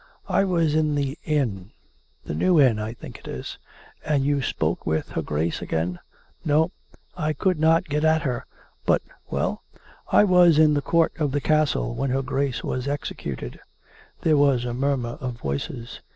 " I was in the inn — the ' New Inn,' I think it is." 452 COME RACK! COME ROPE! " And you spoke with her Grace again ?"" No ; I could not get at her. But " "WeU?" " I was in the court of the castle when her Grace was executed." There was a murmur of voices.